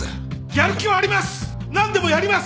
やる気はあります！